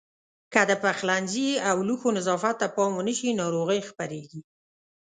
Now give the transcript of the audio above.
که د پخلنځي او لوښو نظافت ته پام ونه شي ناروغۍ خپرېږي.